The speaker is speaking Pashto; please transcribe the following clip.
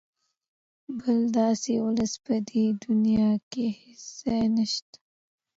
بل داسې ولس په دې دونیا کې هېڅ ځای نشته.